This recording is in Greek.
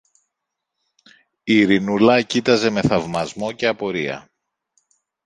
Η Ειρηνούλα κοίταζε με θαυμασμό και απορία.